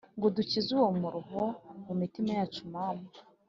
Ngo udukize uwo muruho mu mitima yacu mana